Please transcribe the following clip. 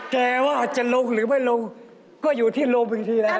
แต่ว่าจะลงหรือไม่ลงก็อยู่ที่ลงอีกทีแล้ว